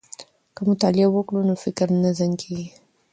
که مطالعه وکړو نو فکر نه زنګ کیږي.